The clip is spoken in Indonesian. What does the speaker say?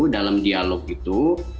dalam dialog itu